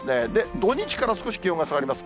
土日から少し気温が下がります。